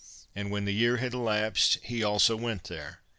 And when the year had elapsed, he also went there.